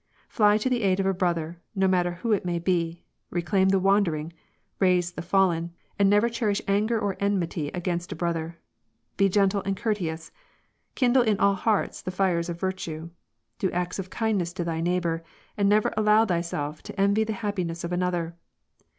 Fly to the aid of a brother, no matter who it may be ; reclaim the wandering ; raise the fallen, and never cherish anger or enmity against a brother. Be gentle and courteous. Kindle in all hearts the fires of virtue. Do acts of kindness to thy neighbor, and never allow thyself to envy the happiness of another.